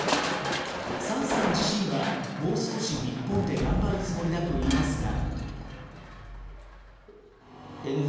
サンさん自身はもう少し日本で頑張るつもりだといいますが。